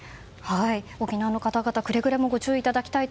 沖縄の方々くれぐれもご注意ください。